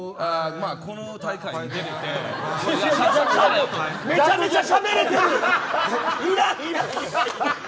この大会に出れてめちゃめちゃしゃべれてる。